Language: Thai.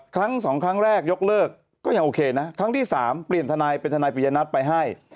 ครั้งสองครั้งแรกยกเลิกก็ยังโอเคนะครั้งที่๓เปลี่ยนทนายเป็นทนายปริยนัทไปให้